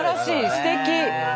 すてき。